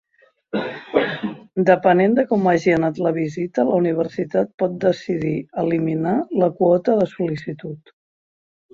Depenent de com hagi anat la visita, la universitat pot decidir eliminar la quota de sol·licitud.